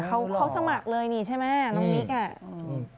เขาสมัครเลยนี่ใช่ไหมน้องมิก